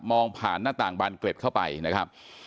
ผ่านหน้าต่างบานเกล็ดเข้าไปนะครับ